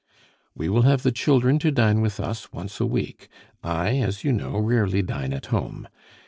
"We will have the children to dine with us once a week. I, as you know, rarely dine at home.